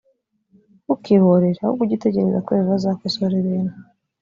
ntukihorere ahubwo ujye utegereza ko yehova azakosora ibintu